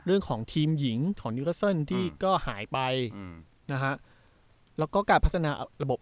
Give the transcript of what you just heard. เรื่องของทีมหญิงของนิวเกอร์เซิลที่ก็หายไปอืมนะฮะแล้วก็การพัฒนาระบบ